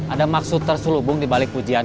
ada maksud terselubungnya